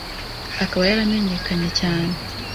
akaba yaramenyekanye cyane